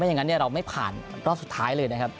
อย่างนั้นเราไม่ผ่านรอบสุดท้ายเลยนะครับ